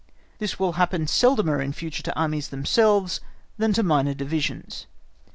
(*) This will happen seldomer in future to Armies themselves than to minor divisions. (*) October 14, 1758.